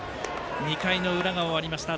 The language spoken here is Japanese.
２回の裏が終わりました。